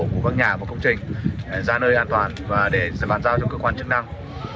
của các nhà và công trình ra nơi an toàn và để bàn giao cho cơ quan chức năng